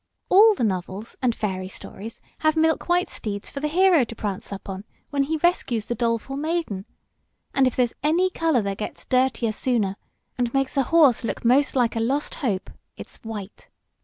"All the novels and fairy stories have milk white steeds for the hero to prance up on when he rescues the doleful maiden. And if there's any color that gets dirtier sooner, and makes a horse look most like a lost hope, it's white.